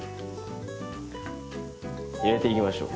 入れていきましょう。